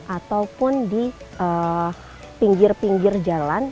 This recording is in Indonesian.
ataupun di pinggir pinggir jalan